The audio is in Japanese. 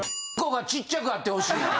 ※★がちっちゃくあってほしいね。